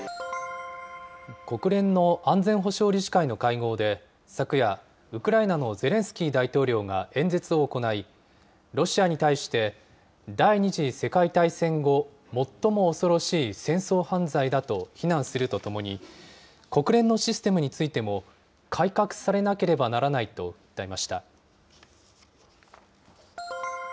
国連の安全保障理事会の会合で、昨夜、ウクライナのゼレンスキー大統領が演説を行い、ロシアに対して第２次世界大戦後、最も恐ろしい戦争犯罪だと非難するとともに、国連のシステムについても、改革されなければならないと訴えました。